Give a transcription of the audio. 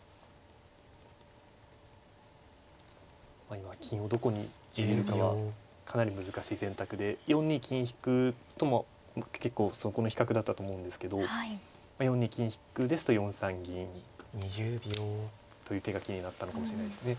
今金をどこに逃げるかはかなり難しい選択で４二金引とも結構そこの比較だったと思うんですけど４二金引ですと４三銀という手が気になったのかもしれないですね。